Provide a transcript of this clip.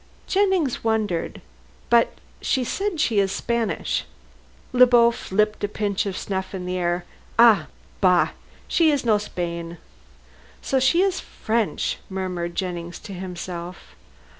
Jennings wondered. "But she says she is Spanish." Le Beau flipped a pinch of snuff in the air. "Ah, bah! She no Spain." "So she is French," murmured Jennings to himself.